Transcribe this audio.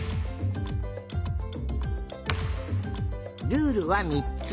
ルールはみっつ！